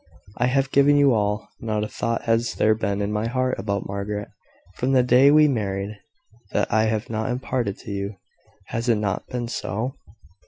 I have given you all. Not a thought has there been in my heart about Margaret, from the day we married, that I have not imparted to you. Has it not been so?"